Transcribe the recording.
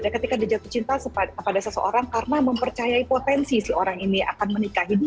ketika dia jatuh cinta kepada seseorang karena mempercayai potensi si orang ini akan menikahi dia